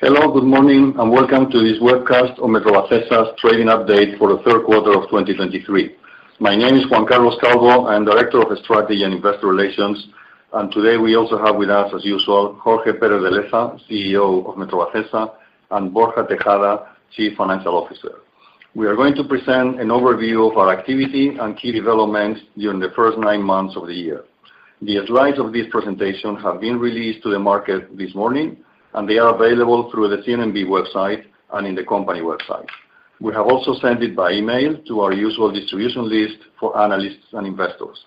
Hello, good morning, and welcome to this webcast on Metrovacesa's trading update for the third quarter of 2023. My name is Juan Carlos Calvo. I'm Director of Strategy and Investor Relations, and today we also have with us, as usual, Jorge Pérez de Leza, CEO of Metrovacesa, and Borja Tejada, Chief Financial Officer. We are going to present an overview of our activity and key developments during the first nine months of the year. The slides of this presentation have been released to the market this morning, and they are available through the CNMV website and in the company website. We have also sent it by email to our usual distribution list for analysts and investors.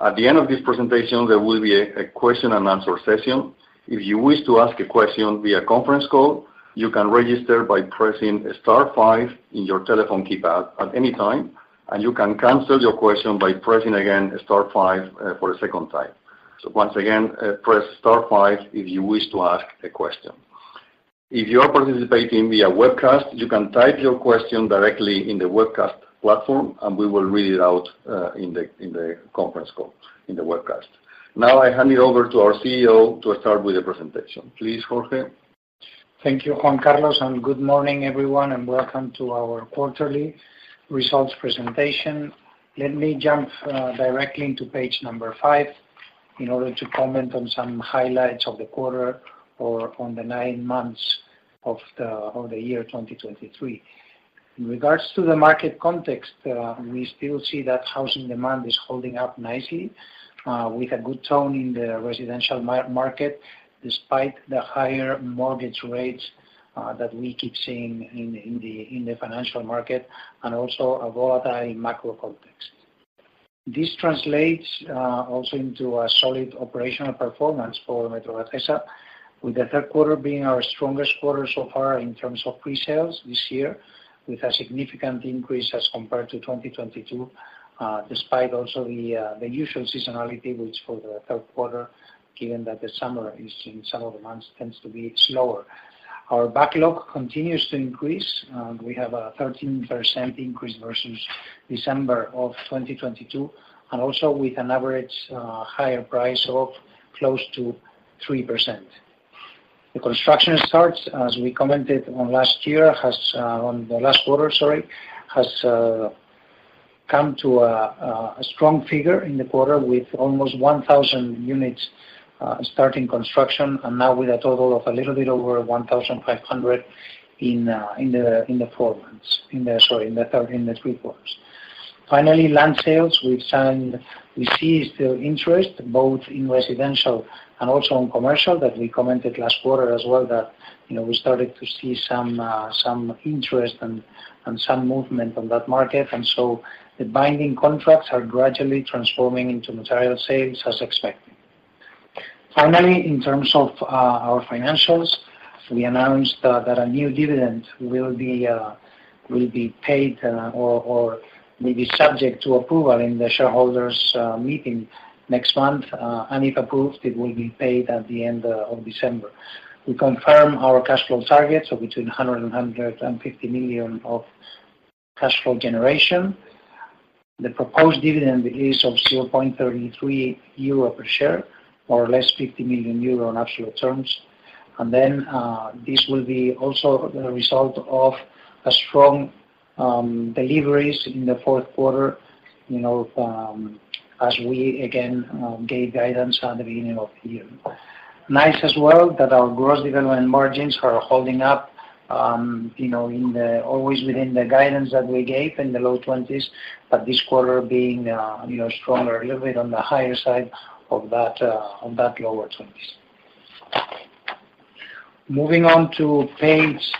At the end of this presentation, there will be a question and answer session. If you wish to ask a question via conference call, you can register by pressing star five in your telephone keypad at any time, and you can cancel your question by pressing again star five, for a second time. So once again, press star five if you wish to ask a question. If you are participating via webcast, you can type your question directly in the webcast platform, and we will read it out, in the conference call, in the webcast. Now, I hand it over to our CEO to start with the presentation. Please, Jorge. Thank you, Juan Carlos, and good morning, everyone, and welcome to our quarterly results presentation. Let me jump directly into page number five in order to comment on some highlights of the quarter or on the nine months of the year 2023. In regards to the market context, we still see that housing demand is holding up nicely, with a good tone in the residential market, despite the higher mortgage rates that we keep seeing in the financial market and also a volatile macro context. This translates, also into a solid operational performance for Metrovacesa, with the third quarter being our strongest quarter so far in terms of pre-sales this year, with a significant increase as compared to 2022, despite also the usual seasonality, which for the third quarter, given that the summer is in some of the months, tends to be slower. Our backlog continues to increase, and we have a 13% increase versus December of 2022, and also with an average, higher price of close to 3%. The construction starts, as we commented on last year, has on the last quarter, sorry, has come to a strong figure in the quarter with almost 1,000 units starting construction, and now with a total of a little bit over 1,500 in the four months. Sorry, in the third, in the three quarters. Finally, land sales, we see still interest, both in residential and also in commercial, that we commented last quarter as well, that, you know, we started to see some interest and some movement on that market, and so the binding contracts are gradually transforming into material sales as expected. Finally, in terms of our financials, we announced that a new dividend will be paid, or will be subject to approval in the shareholders meeting next month, and if approved, it will be paid at the end of December. We confirm our cash flow targets of between 100 and 150 million EUR of cash flow generation. The proposed dividend is of 0.33 euro per share, more or less 50 million euro in absolute terms, and then this will be also the result of a strong deliveries in the fourth quarter, you know, as we again gave guidance at the beginning of the year. Nice as well, that our gross development margins are holding up, you know, always within the guidance that we gave in the low 20s, but this quarter being, you know, stronger, a little bit on the higher side of that, of that low 20s. Moving on to page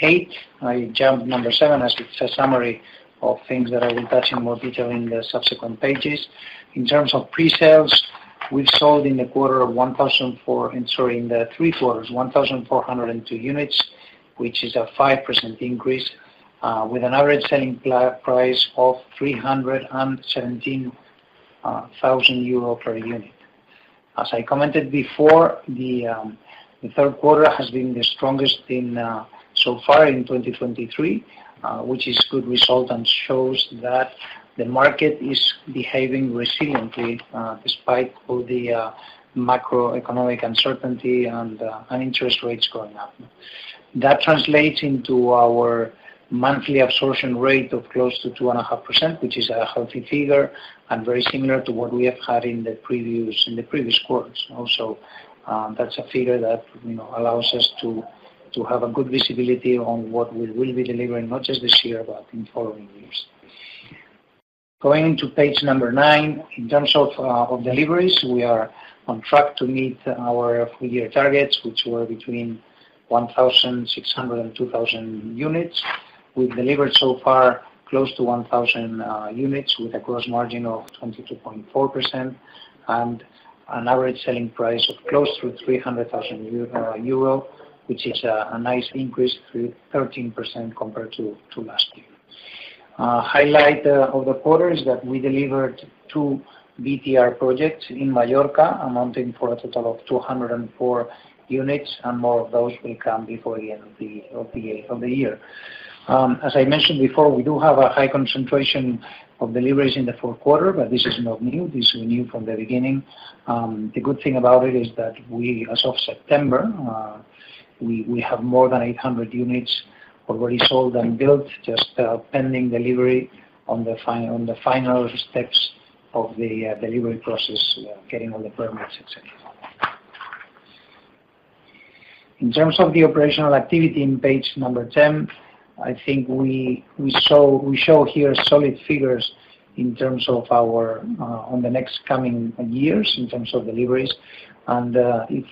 eight. I jumped seven, as it's a summary of things that I will touch in more detail in the subsequent pages. In terms of pre-sales, we've sold in the quarter 1,004, and sorry, in the three quarters, 1,402 units, which is a 5% increase, with an average selling price of 317,000 euro per unit. As I commented before, the third quarter has been the strongest so far in 2023, which is good result and shows that the market is behaving resiliently, despite all the macroeconomic uncertainty and interest rates going up. That translates into our monthly absorption rate of close to 2.5%, which is a healthy figure and very similar to what we have had in the previous, in the previous quarters. Also, that's a figure that, you know, allows us to have a good visibility on what we will be delivering, not just this year, but in following years. Going to page number nine. In terms of deliveries, we are on track to meet our full year targets, which were between 1,600 and 2,000 units. We've delivered so far close to 1,000 units with a gross margin of 22.4% and an average selling price of close to 300,000 euro, which is a nice increase to 13% compared to last year. Highlight of the quarter is that we delivered two BTR projects in Mallorca, amounting for a total of 204 units, and more of those will come before the end of the year. As I mentioned before, we do have a high concentration of deliveries in the fourth quarter, but this is not new. This we knew from the beginning. The good thing about it is that we, as of September, we have more than 800 units already sold and built, just pending delivery on the final steps of the delivery process, getting all the permits, et cetera. In terms of the operational activity in page number 10, I think we show here solid figures in terms of our on the next coming years, in terms of deliveries. If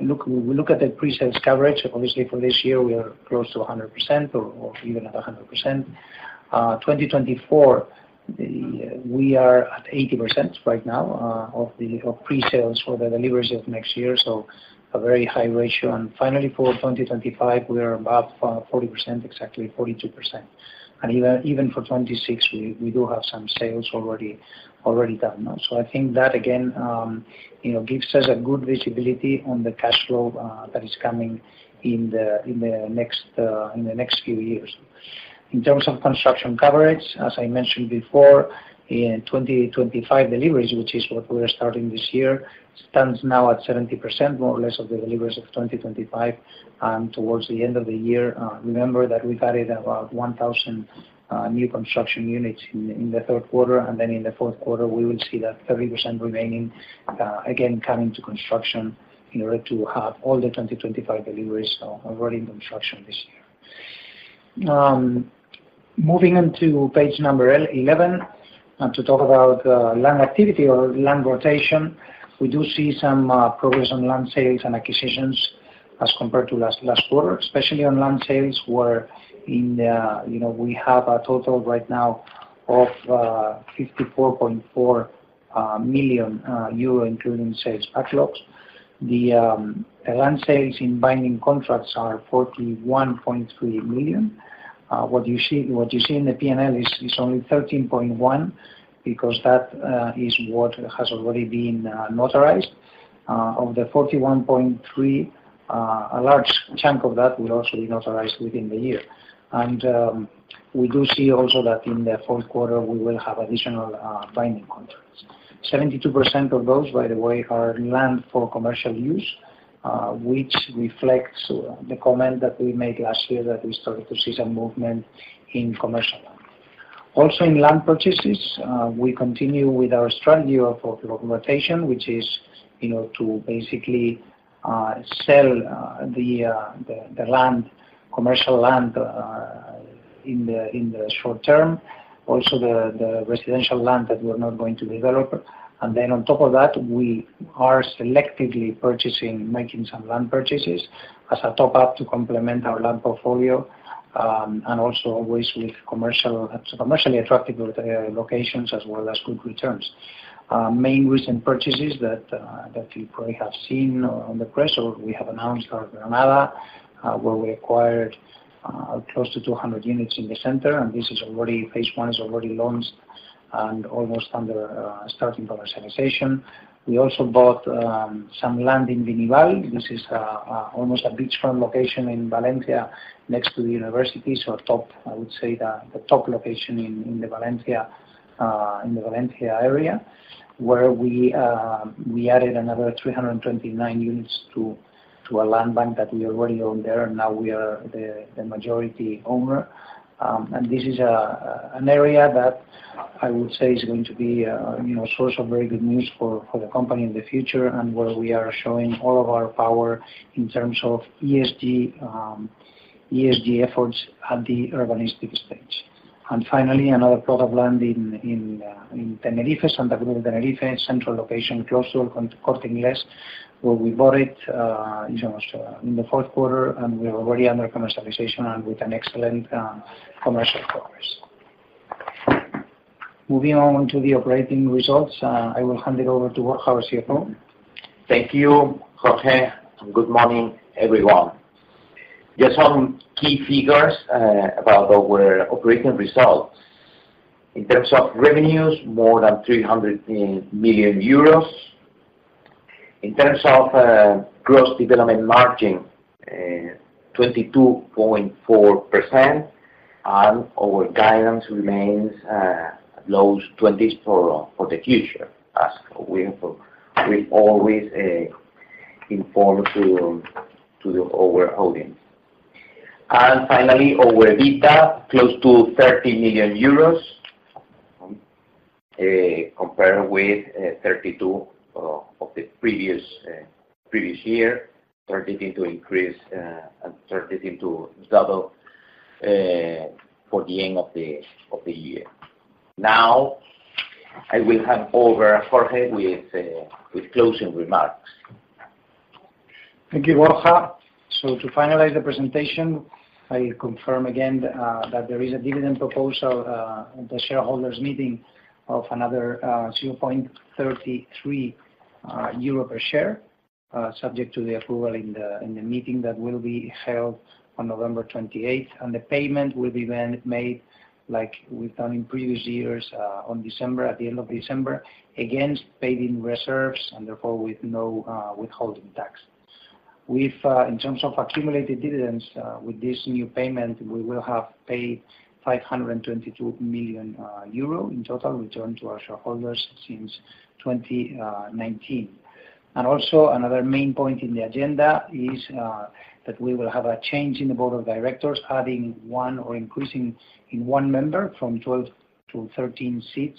we look at the pre-sales coverage, obviously for this year, we are close to 100% or even at 100%. 2024, we are at 80% right now of the pre-sales for the deliveries of next year, so a very high ratio. And finally, for 2025, we are about 40%, exactly 42%. And even for 2026, we do have some sales already done now. So I think that again, you know, gives us a good visibility on the cash flow that is coming in the next few years. In terms of construction coverage, as I mentioned before, in 2025 deliveries, which is what we are starting this year, stands now at 70%, more or less, of the deliveries of 2025. Towards the end of the year, remember that we've added about 1,000 new construction units in the third quarter, and then in the fourth quarter, we will see that 30% remaining again coming to construction in order to have all the 2025 deliveries already in construction this year. Moving on to page number 11, and to talk about land activity or land rotation. We do see some progress on land sales and acquisitions as compared to last quarter, especially on land sales, where, you know, we have a total right now of 54.4 million euro, including sales backlogs. The land sales in binding contracts are 41.3 million. What you see, what you see in the P&L is only 13.1, because that is what has already been notarized. Of the 41.3, a large chunk of that will also be notarized within the year. And we do see also that in the fourth quarter, we will have additional binding contracts. 72% of those, by the way, are land for commercial use, which reflects the comment that we made last year, that we started to see some movement in commercial land. Also, in land purchases, we continue with our strategy of rotation, which is, you know, to basically sell the land, commercial land in the short term. Also, the residential land that we're not going to develop. And then on top of that, we are selectively purchasing, making some land purchases as a top-up to complement our land portfolio, and also always with commercial, commercially attractive locations as well as good returns. Main recent purchases that you probably have seen on the press, or we have announced are Granada, where we acquired close to 200 units in the center, and this is already phase I is already launched and almost under starting commercialization. We also bought some land in Vinival. This is almost a beachfront location in Valencia, next to the university. So, top, I would say, the top location in the Valencia area, where we added another 329 units to a land bank that we already own there, and now we are the majority owner. And this is an area that I would say is going to be, you know, a source of very good news for the company in the future, and where we are showing all of our power in terms of ESG, ESG efforts at the urbanistic stage. And finally, another plot of land in Tenerife, Santa Cruz de Tenerife, central location, close to El Corte Inglés, where we bought it in the fourth quarter, and we are already under commercialization and with an excellent commercial progress. Moving on to the operating results, I will hand it over to Borja, our CFO. Thank you, Jorge, and good morning, everyone. Just some key figures about our operating results. In terms of revenues, more than 300 million euros. In terms of gross development margin, 22.4%, and our guidance remains low 20s for the future. As we always inform to our audience. And finally, our EBITDA, close to 30 million euros, compared with 32 of the previous year. 32 increase and 32 double for the end of the year. Now, I will hand over Jorge with closing remarks. Thank you, Borja. To finalize the presentation, I confirm again, that there is a dividend proposal at the shareholders' meeting of another 0.33 euro per share, subject to the approval in the meeting that will be held on November 28. The payment will be then made, like we've done in previous years, on December, at the end of December, against paying reserves, and therefore with no withholding tax. We've in terms of accumulated dividends, with this new payment, we will have paid 522 million euro in total returned to our shareholders since 2019. Another main point in the agenda is, that we will have a change in the board of directors, adding one or increasing in one member from 12 to 13 seats.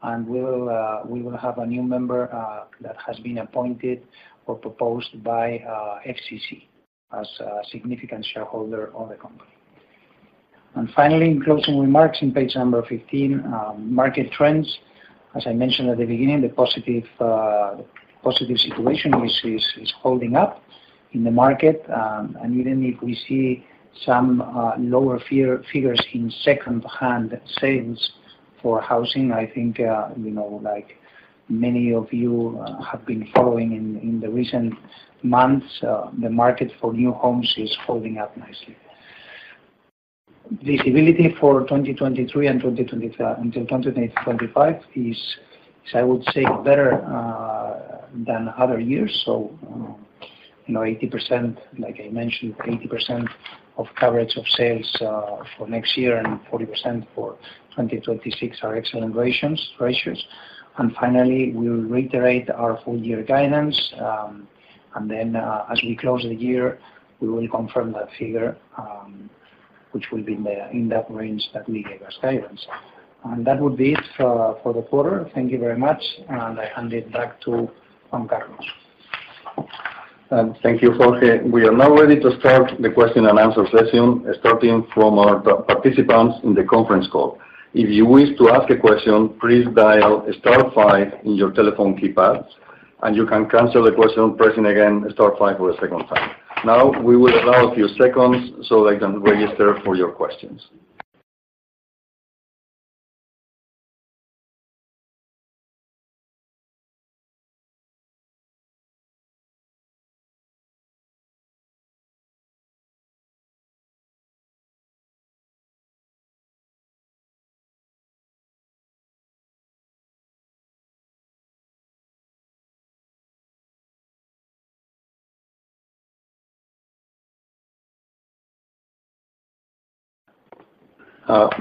And we will have a new member that has been appointed or proposed by FCC, as a significant shareholder of the company. And finally, in closing remarks, on page number 15, market trends. As I mentioned at the beginning, the positive situation is holding up in the market. And even if we see some lower figures in second-hand sales for housing, I think, you know, like many of you, have been following in the recent months, the market for new homes is holding up nicely. Visibility for 2023 and 2024 until 2025 is, I would say, better than other years. So, you know, 80%, like I mentioned, 80% of coverage of sales for next year and 40% for 2026 are excellent ratios. And finally, we will reiterate our full year guidance. And then, as we close the year, we will confirm that figure, which will be there in that range that we gave as guidance. And that would be it for the quarter. Thank you very much, and I hand it back to Juan Carlos. Thank you, Jorge. We are now ready to start the question and answer session, starting from our participants in the conference call. If you wish to ask a question, please dial star five in your telephone keypads, and you can cancel the question pressing again, star five for a second time. Now, we will allow a few seconds so they can register for your questions.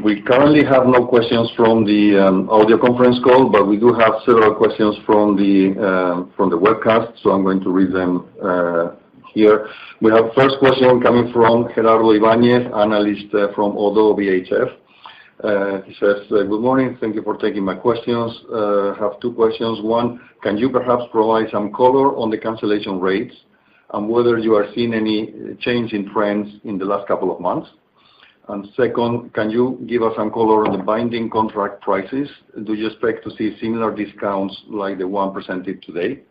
We currently have no questions from the audio conference call, but we do have several questions from the webcast, so I'm going to read them here. We have first question coming from Gerardo Ibáñez, analyst, from Oddo BHF. He says: "Good morning, thank you for taking my questions. I have two questions. 1, can you perhaps provide some color on the cancellation rates, and whether you are seeing any change in trends in the last couple of months? And second, can you give us some color on the binding contract prices? Do you expect to see similar discounts like the one presented today?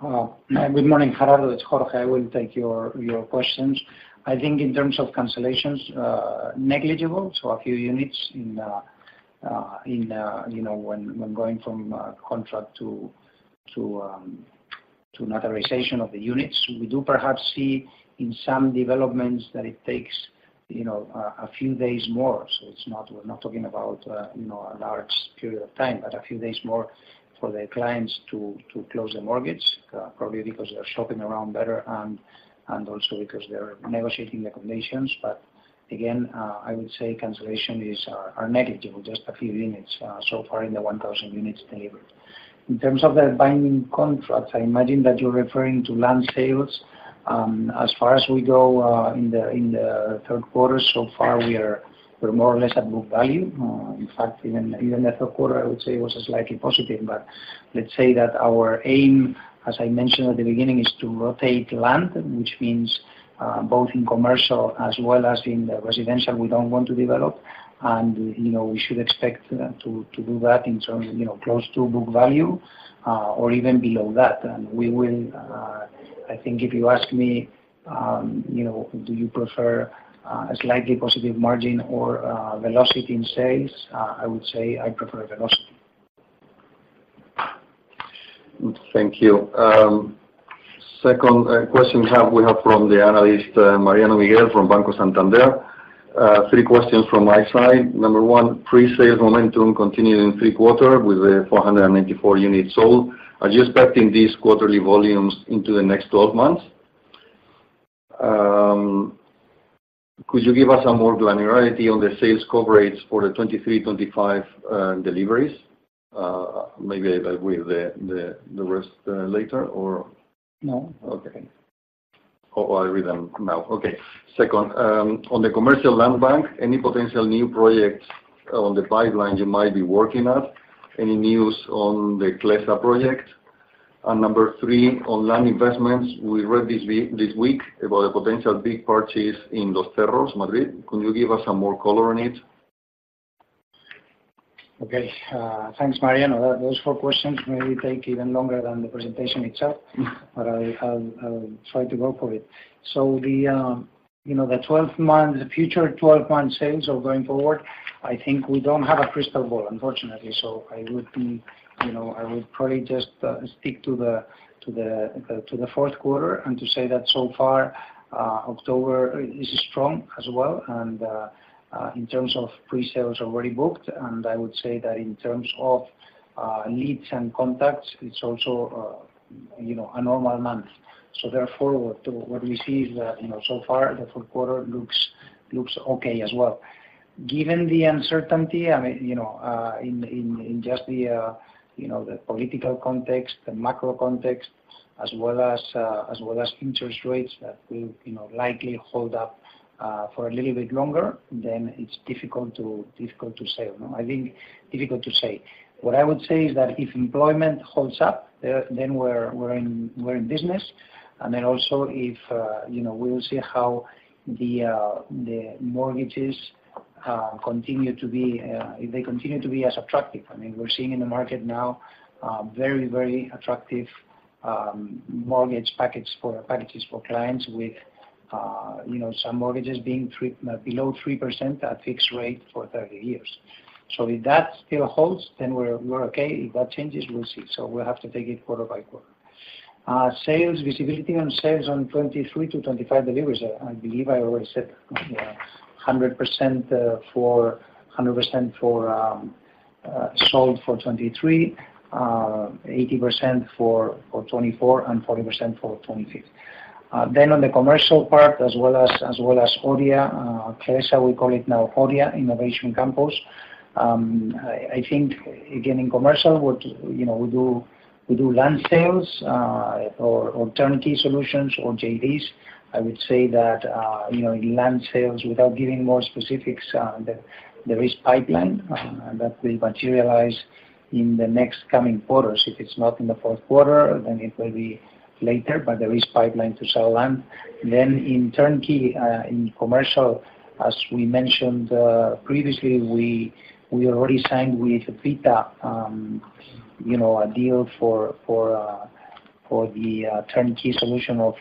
Good morning, Gerardo, it's Jorge. I will take your questions. I think in terms of cancellations, negligible, so a few units in, you know, when going from contract to notarization of the units. We do perhaps see in some developments that it takes, you know, a few days more. So it's not- we're not talking about, you know, a large period of time, but a few days more for the clients to close the mortgage, probably because they're shopping around better and also because they're negotiating the conditions. But again, I would say cancellations are negligible, just a few units so far in the 1,000 units delivered. In terms of the binding contracts, I imagine that you're referring to land sales. As far as we go, in the third quarter, so far, we are, we're more or less at book value. In fact, even, even the third quarter, I would say, was slightly positive. But let's say that our aim, as I mentioned at the beginning, is to rotate land, which means, both in commercial as well as in the residential, we don't want to develop. And, you know, we should expect to, to do that in terms of, you know, close to book value, or even below that. And we will... I think if you ask me, you know, do you prefer, a slightly positive margin or, velocity in sales? I would say I prefer velocity. Thank you. Second, question we have, we have from the analyst, Mariano Miguel from Banco Santander. Three questions from my side. Number one, pre-sale momentum continued in third quarter with the 494 units sold. Are you expecting these quarterly volumes into the next 12 months? Could you give us some more granularity on the sales coverages for the 2023, 2025 deliveries? Maybe with the rest, later, or? No. Okay. Oh, I read them now. Okay. Second, on the commercial land bank, any potential new projects on the pipeline you might be working on? Any news on the Clesa project? And number three, on land investments, we read this week, this week about a potential big purchase in Los Cerros, Madrid. Could you give us some more color on it? Okay. Thanks, Mariano. Those four questions may take even longer than the presentation itself, but I'll try to go for it. So the, you know, the 12-month, the future 12-month sales are going forward. I think we don't have a crystal ball, unfortunately. So I would be, you know, I would probably just stick to the fourth quarter and to say that so far, October is strong as well. And in terms of pre-sales already booked, and I would say that in terms of leads and contacts, it's also, you know, a normal month. So therefore, what we see is that, you know, so far the fourth quarter looks okay as well. Given the uncertainty, I mean, you know, in just the, you know, the political context, the macro context as well as, as well as interest rates that will, you know, likely hold up for a little bit longer, then it's difficult to say, you know. I think difficult to say. What I would say is that if employment holds up, then we're in business. And then also if, you know, we'll see how the, the mortgages continue to be, if they continue to be as attractive. I mean, we're seeing in the market now very, very attractive mortgage packages for clients with, you know, some mortgages being below 3% at fixed rate for 30 years. So if that still holds, then we're okay. If that changes, we'll see. So we'll have to take it quarter by quarter. Sales visibility on sales on 2023-2025 deliveries, I believe I already said, yeah, 100% sold for 2023, 80% for 2024, and 40% for 2025. Then on the commercial part, as well as Oria Clesa, we call it now Oria Innovation Campus. I think, again, in commercial, you know, we do land sales or turnkey solutions or JVs. I would say that, you know, in land sales, without giving more specifics, there is pipeline that will materialize in the next coming quarters. If it's not in the fourth quarter, then it will be later, but there is pipeline to sell land. Then in turnkey, in commercial, as we mentioned, previously, we already signed with Vita, you know, a deal for the turnkey solution of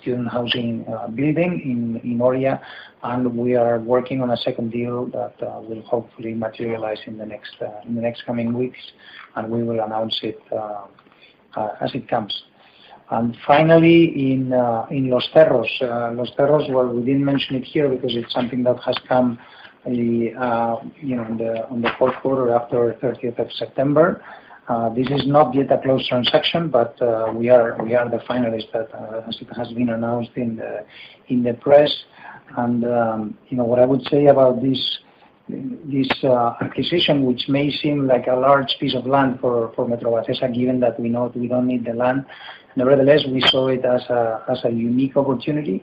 student housing building in Oria. And we are working on a second deal that will hopefully materialize in the next coming weeks, and we will announce it as it comes. And finally, in Los Cerros. Los Cerros, well, we didn't mention it here because it's something that has come in the you know, on the fourth quarter, after thirtieth of September. This is not yet a closed transaction, but we are the finalists that as it has been announced in the press. You know, what I would say about this acquisition, which may seem like a large piece of land for Metrovacesa, given that we know we don't need the land. Nevertheless, we saw it as a unique opportunity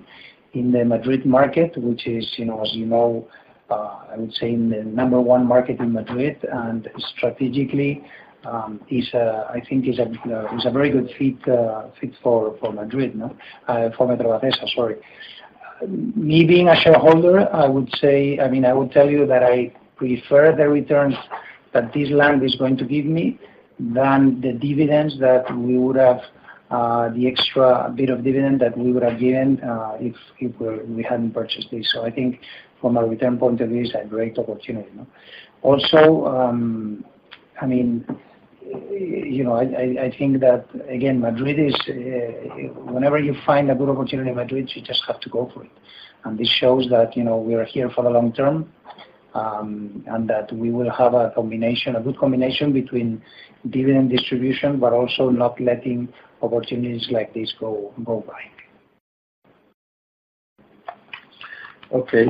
in the Madrid market, which is, you know, as you know, I would say, in the number one market in Madrid, and strategically, is a, I think, a very good fit for Madrid, no? For Metrovacesa, sorry. Me being a shareholder, I would say, I mean, I would tell you that I prefer the returns that this land is going to give me than the dividends that we would have, the extra bit of dividend that we would have given, if we hadn't purchased this. So I think from a return point of view, it's a great opportunity, no? Also, I mean, you know, I think that, again, Madrid is whenever you find a good opportunity in Madrid, you just have to go for it. And this shows that, you know, we are here for the long term, and that we will have a combination, a good combination between dividend distribution, but also not letting opportunities like this go by. Okay,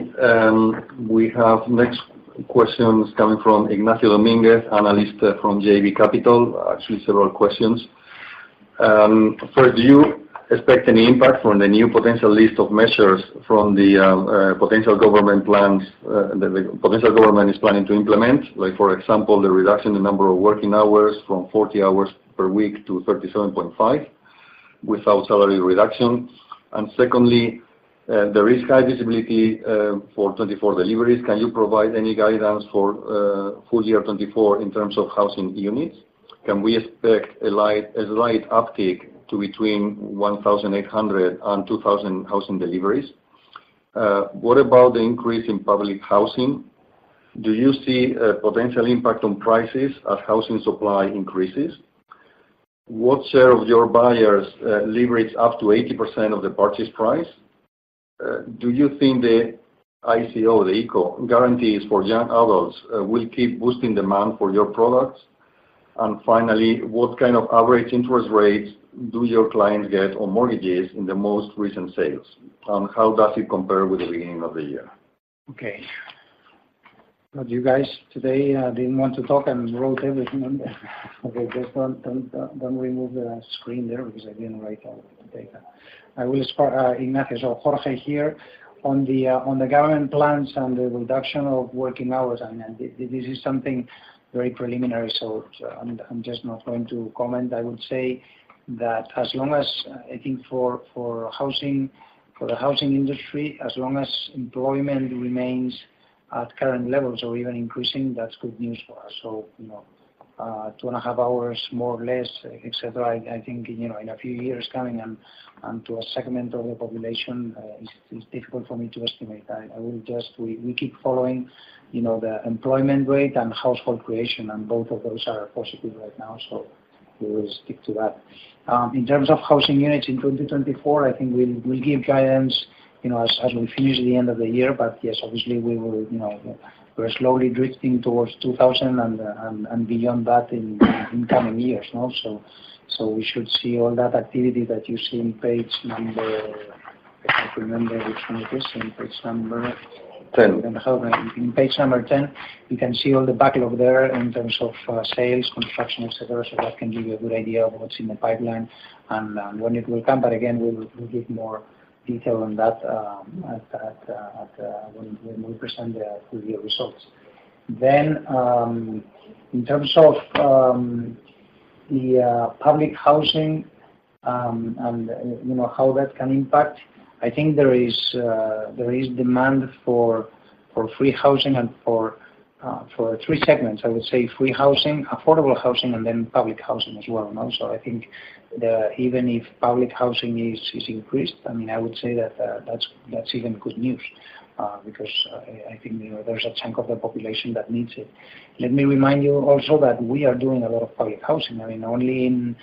we have next questions coming from Ignacio Domínguez, analyst, from JB Capital. Actually, several questions. First, do you expect any impact from the new potential list of measures from the potential government plans that the potential government is planning to implement? Like, for example, the reduction in number of working hours from 40 hours per week to 37.5 without salary reduction. And secondly, there is high visibility for 2024 deliveries. Can you provide any guidance for full year 2024 in terms of housing units? Can we expect a slight uptick to between 1,800 and 2,000 housing deliveries? What about the increase in public housing? Do you see a potential impact on prices as housing supply increases? What share of your buyers leverage up to 80% of the purchase price? Do you think the ICO, the ICO guarantees for young adults, will keep boosting demand for your products? And finally, what kind of average interest rates do your clients get on mortgages in the most recent sales, and how does it compare with the beginning of the year? Okay. Well, you guys today didn't want to talk and wrote everything on there. Okay, just don't remove the screen there because I didn't write all the data. I will start, Ignacio, Jorge here. On the government plans and the reduction of working hours, I mean, this is something very preliminary, so I'm just not going to comment. I would say that as long as I think for housing, for the housing industry, as long as employment remains at current levels or even increasing, that's good news for us. So, you know, 2.5 hours, more or less, et cetera, I think, you know, in a few years coming and to a segment of the population is difficult for me to estimate. I will just—we keep following, you know, the employment rate and household creation, and both of those are positive right now, so we will stick to that. In terms of housing units in 2024, I think we'll give guidance, you know, as we finish the end of the year. But yes, obviously, we will, you know, we're slowly drifting towards 2000 and beyond that in coming years, no? So we should see all that activity that you see on page number. If I remember which one it is, in page number. Ten. On page number 10, you can see all the backlog there in terms of sales, construction, et cetera, so that can give you a good idea of what's in the pipeline and when it will come. But again, we'll give more detail on that at when we present the full year results. Then, in terms of the public housing and, you know, how that can impact. I think there is demand for free housing and for three segments. I would say free housing, affordable housing, and then public housing as well, you know? So I think even if public housing is increased, I mean, I would say that that's even good news, because I think, you know, there's a chunk of the population that needs it. Let me remind you also that we are doing a lot of public housing. I mean, only in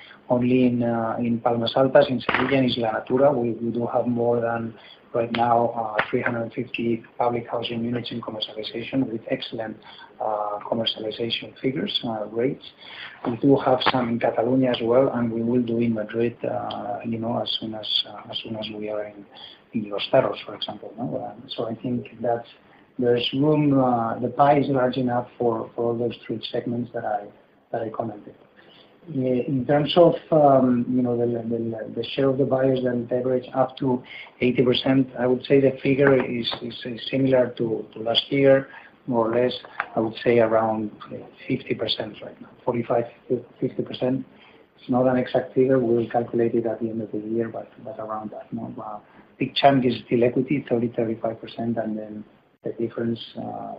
Palmas Altas, in Seville, in Isla Natura, we do have more than, right now, 350 public housing units in commercialization with excellent commercialization figures, rates. We do have some in Catalonia as well, and we will do in Madrid, you know, as soon as we are in Los Cerros, for example, you know? So I think that there's room, the pie is large enough for all those three segments that I commented. In terms of, you know, the share of the buyers and leverage up to 80%, I would say the figure is similar to last year, more or less. I would say around 50% right now, 45%-50%. It's not an exact figure. We'll calculate it at the end of the year, but around that mark. Big chunk is still equity, 30-35%, and then the difference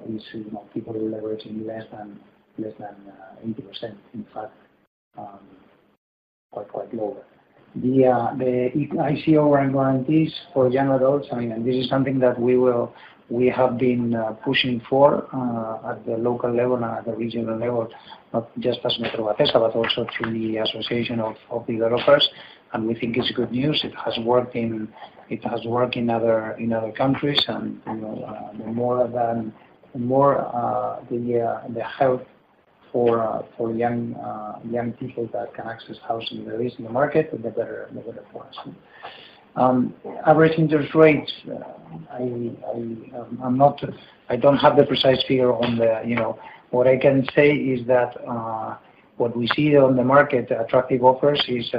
is, you know, people who are leveraging less than 80%, in fact, quite lower. The ICO guarantees for young adults, I mean, and this is something that we will—we have been pushing for at the local level and at the regional level, not just as Metrovacesa, but also through the Association of Developers. And we think it's good news. It has worked in other countries, and, you know, the more—the more the help for young people that can access housing there is in the market, the better, the better for us. Average interest rates, I—I'm not—I don't have the precise figure on the... You know, what I can say is that, what we see on the market, attractive offers, is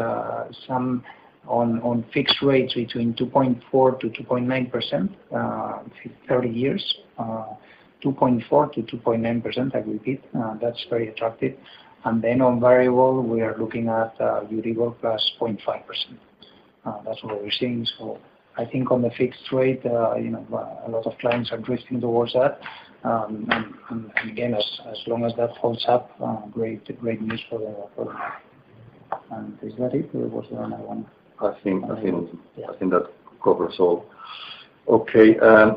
some on fixed rates between 2.4%-2.9%, 30 years, 2.4%-2.9%, I repeat. That's very attractive. And then on variable, we are looking at Euribor + 0.5%. That's what we're seeing. So I think on the fixed rate, you know, a lot of clients are drifting towards that. And again, as long as that holds up, great, great news for the, for us. And is that it? Or was there another one? I think, Yeah. I think that covers all. Okay,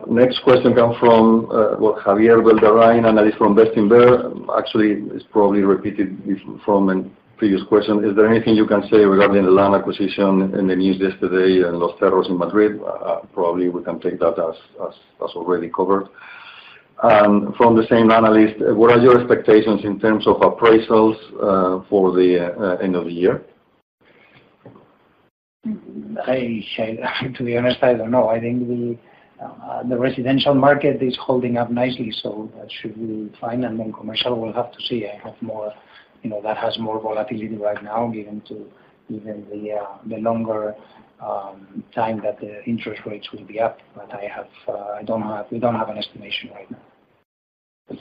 next question comes from, well, Javier Beldarrain, and is from Bestinver. Actually, it's probably repeated this from a previous question: Is there anything you can say regarding the land acquisition in the news yesterday in Los Cerros in Madrid? Probably we can take that as, as, as already covered. And from the same analyst: What are your expectations in terms of appraisals, for the end of the year? To be honest, I don't know. I think the residential market is holding up nicely, so that should be fine. And then commercial, we'll have to see. I have more... You know, that has more volatility right now, given the longer time that the interest rates will be up. But I have, I don't have-- We don't have an estimation right now.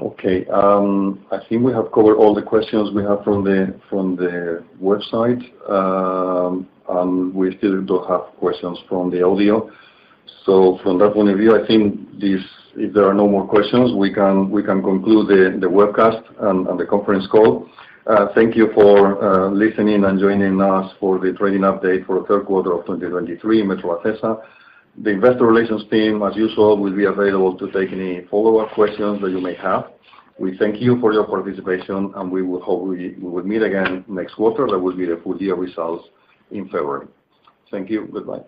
Okay, I think we have covered all the questions we have from the, from the website. And we still do have questions from the audio. So from that point of view, I think this, if there are no more questions, we can, we can conclude the, the webcast and, and the conference call. Thank you for, listening and joining us for the trading update for the third quarter of 2023, Metrovacesa. The investor relations team, as usual, will be available to take any follow-up questions that you may have. We thank you for your participation, and we will hope we, we would meet again next quarter. That will be the full year results in February. Thank you. Goodbye.